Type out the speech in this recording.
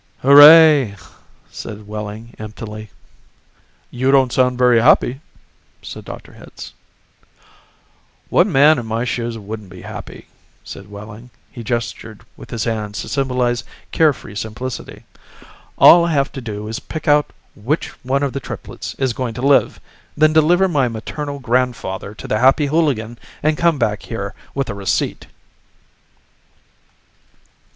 "Hooray," said Wehling emptily. "You don't sound very happy," said Dr. Hitz. "What man in my shoes wouldn't be happy?" said Wehling. He gestured with his hands to symbolize care free simplicity. "All I have to do is pick out which one of the triplets is going to live, then deliver my maternal grandfather to the Happy Hooligan, and come back here with a receipt."